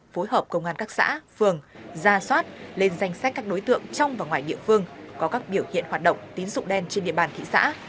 phối hợp công an các xã phường gia soát lên danh sách các đối tượng trong và ngoài địa phương có các biểu hiện hoạt động tín dụng đen trên địa bàn thị xã